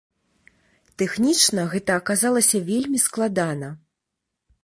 Тэхнічна гэта аказалася вельмі складана.